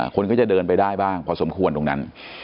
คนก็จะเดินไปได้บ้างพอสมควรตรงนั้น